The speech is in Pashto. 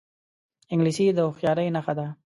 انګلیسي د هوښیارۍ نښه ده